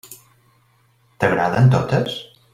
T'agraden totes?